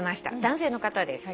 男性の方です。